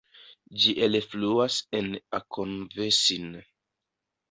Ĝi elfluas en Akonvesin.